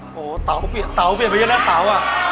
โหเต๋าเปลี่ยนไปกันแล้วเต๋าอะ